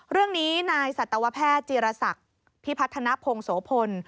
เรื่องนี้นายสัตวแพทย์จีรศักดิ์พิพัฒนภงโสพล